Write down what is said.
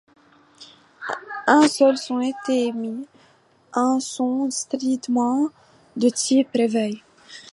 Un seul son était émis, un son strident de type réveil.